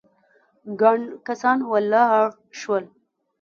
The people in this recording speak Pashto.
ګڼ کسان ولاړ شول.